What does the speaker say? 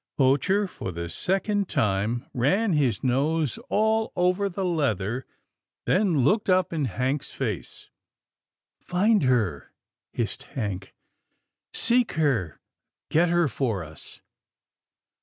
Poacher for the second time ran his nose all over the leather, then looked up in Hank's face. " Find her," hissed Hank, " seek her — get her for us!"